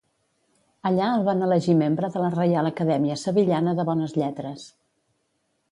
Allà el van elegir membre de la Reial Acadèmia Sevillana de Bones Lletres.